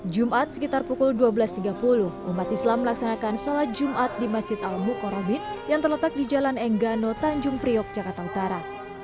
jumat sekitar pukul dua belas tiga puluh umat islam melaksanakan sholat jumat di masjid al mukarrabin yang terletak di jalan enggano tanjung priok jakarta utara